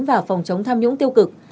và phòng chống tham nhũng tiêu cực